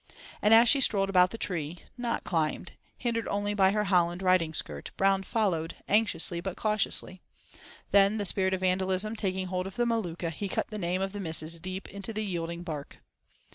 And as she strolled about the tree—not climbed—hindered only by her holland riding skirt, Brown followed, anxiously but cautiously. Then, the spirit of vandalism taking hold of the Maluka, he cut the name of the missus deep into the yielding bark.